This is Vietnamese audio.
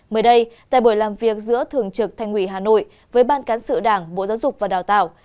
mới đây tại buổi làm việc giữa thường trực thành ủy hà nội với ban cán sự đảng bộ giáo dục và đào tạo